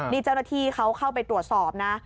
นี่เจ้าหน้าที่เขาเข้าไปตรวจสอบนะ